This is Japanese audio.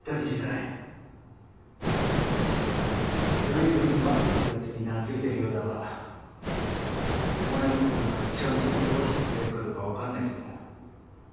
随分マサってやつに懐いてるようだがお前のことなんかちゃんと世話してくれるかどうか分かんないぞ。